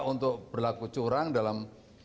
untuk berlaku curang dalam